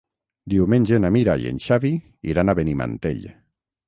Diumenge na Mira i en Xavi iran a Benimantell.